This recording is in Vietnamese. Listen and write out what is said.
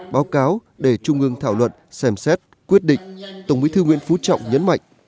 báo cáo để trung ương thảo luận xem xét quyết định tổng bí thư nguyễn phú trọng nhấn mạnh